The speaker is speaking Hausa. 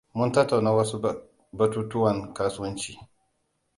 Mun tattauna wasu batutuwan kasuwanci.